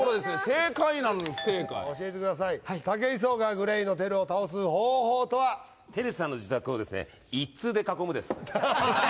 正解なのに不正解教えてください武井壮がＧＬＡＹのＴＥＲＵを倒す方法とはＴＥＲＵさんの自宅をですね一通で囲むです